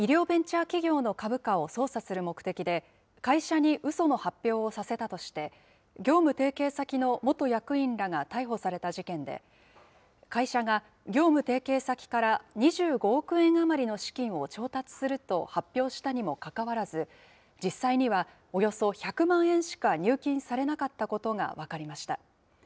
ベンチャー企業の株価を操作する目的で、会社にうその発表をさせたとして、業務提携先の元役員らが逮捕された事件で、会社が、業務提携先から２５億円余りの資金を調達すると発表したにもかかわらず、実際には、およそ１００万円しか入金されなかったことが分かりました。